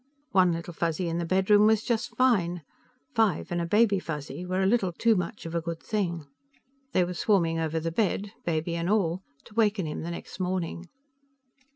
One Little Fuzzy in the bedroom was just fine; five and a Baby Fuzzy were a little too much of a good thing. They were swarming over the bed, Baby and all, to waken him the next morning.